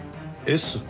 Ｓ？